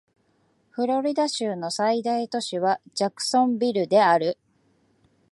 フロリダ州の最大都市はジャクソンビルである